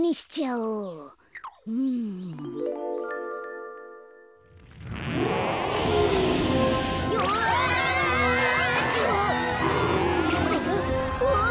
うわ。